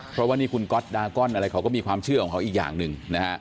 เพราะว่านี่คุณก๊อตดากอนอะไรเขาก็มีความเชื่อของเขาอีกอย่างหนึ่งนะฮะ